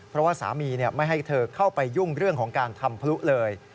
เพราะว่าสามีไม่ให้เธอเข้าไปยุ่งเรื่องของการทำพลุเลย